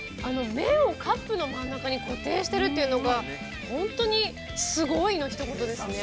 ◆麺をカップの真ん中に固定してるというのが、本当にすごいの一声ですね。